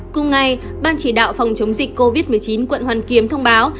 cùng ngày ban chỉ đạo phòng chống dịch covid một mươi chín quận hoàn kiếm thông báo